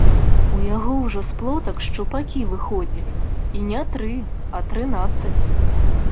У яго ўжо з плотак шчупакі выходзілі, і не тры, а трынаццаць.